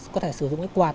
có thể sử dụng quạt